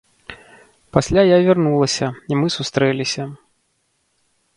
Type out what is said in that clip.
Пасля я вярнулася і мы сустрэліся.